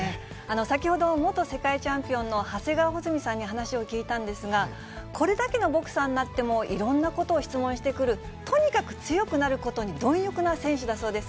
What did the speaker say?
先ほど、元世界チャンピオンの長谷川穂積さんに話を聞いたんですが、これだけのボクサーになってもいろんなことを質問してくる、とにかく強くなることに貪欲な選手だそうです。